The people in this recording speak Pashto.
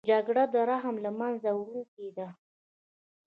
جګړه د رحم له منځه وړونکې ده